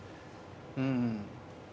うん。